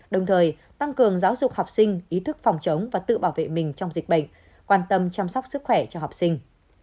đồng thời tăng cường giáo dục học sinh ý thức phòng chống và tự bảo vệ mình trong dịch bệnh quan tâm chăm sóc sức khỏe cho học sinh